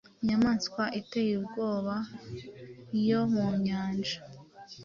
Inyamaswa iteye ubwoba yo mu nyanja